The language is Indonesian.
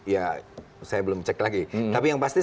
ya saya belum cek lagi tapi yang pasti